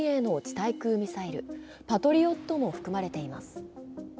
対空ミサイルパトリオットも含まれています。